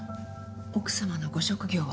奥様のご職業は？